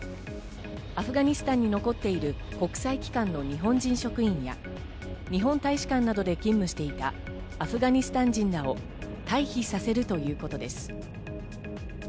アフガニスタンに残っている国際機関の日本人職員や日本大使館などで勤務していたアフガニスタン人らを退避させるということです。